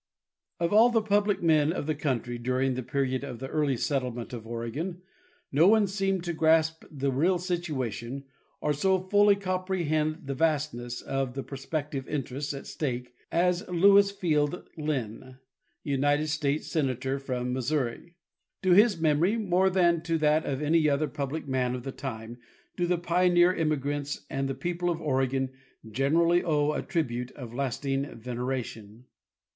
Of all the public men of the country during the period of the early settlement of Oregon, no one seemed to grasp the real situ ation or so fully comprehend the vastness of the prospective interests at stake as Lewis Field Linn, United States Senator from Missouri. To his memory more than to that of any other public man of the time do the pioneer immigrants and the people of Oregon generally owe a tribute of lasting veneration.